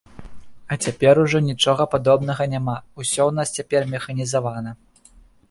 А цяпер ужо нічога падобнага няма, усё ў нас цяпер механізавана.